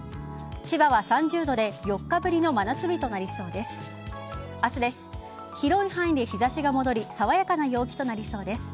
千葉は３０度で４日ぶりの真夏日となりそうです。